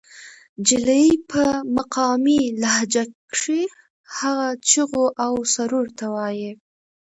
جلۍ پۀ مقامي لهجه کښې هغه چغو او سُورو ته وائي